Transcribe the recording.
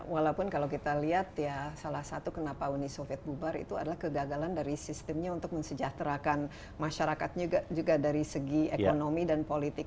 walaupun kalau kita lihat ya salah satu kenapa uni soviet bubar itu adalah kegagalan dari sistemnya untuk mensejahterakan masyarakatnya juga dari segi ekonomi dan politik